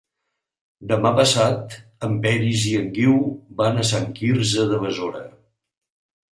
Demà passat en Peris i en Guiu van a Sant Quirze de Besora.